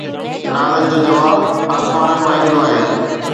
نالن جو جواب آسمانن مان ايندو آهي